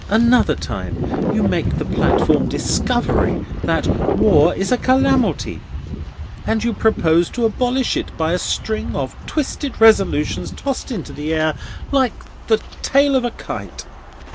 Another time you make the platform discovery that War is a calamity, and you propose to abolish it by a string of twisted resolutions tossed into the air like the tail of a kite.